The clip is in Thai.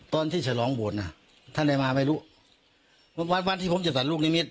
ตอนที่ฉลองโบสถ์ถ้าในมาไม่รู้วันที่ผมจะตัดลูกนิมิต